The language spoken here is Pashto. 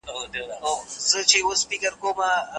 افراطي ډلي یوازي خپلي ګټې په پام کي نیسي.